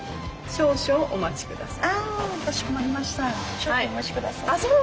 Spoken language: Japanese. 少々お待ちください。